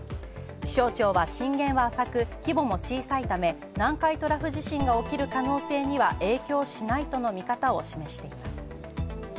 気象庁は震源は浅く規模も小さいため、南海トラフ地震が起きる可能性には影響しないとの見方を示しています。